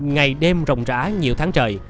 ngày đêm rộng rã nhiều tháng trời